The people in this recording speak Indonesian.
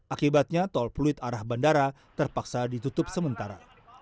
akibatnya tol pluit arah bandara terpaksa ditutup sementara